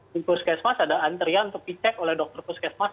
di puskesmas ada antrian untuk dicek oleh dokter puskesmas